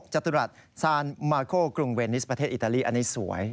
จตุรัสซานมาโคกรุงเวนิสประเทศอิตาลีอันนี้สวย